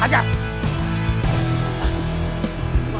gak ada lu